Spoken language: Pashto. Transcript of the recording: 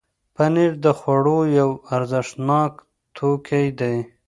پنېر د خوړو یو ارزښتناک توکی دی.